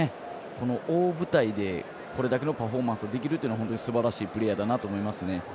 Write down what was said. この大舞台でこれだけのパフォーマンスをできるというのは、すばらしいプレーヤーだと思いますね。